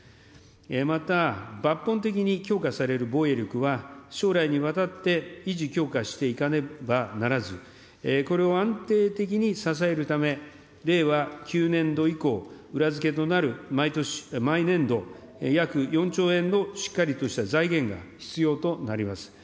また、抜本的に強化される防衛力は、将来にわたって維持強化していかねばならず、これを安定的に支えるため、令和９年度以降、裏付けとなる毎年度、約４兆円のしっかりとした財源が必要となります。